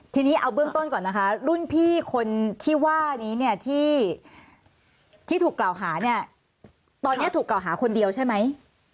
ทีนี้เอาเบื้องต้นก่อนนะคะรุ่นพี่คนที่ว่านี้เนี่ยที่ถูกกล่าวหาเนี่ยตอนนี้ถูกกล่าวหาคนเดียวใช่ไหม